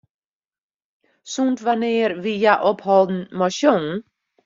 Sûnt wannear wie hja opholden mei sjongen?